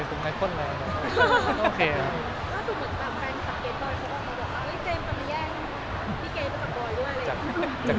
อยู่ดีมือมี้งจา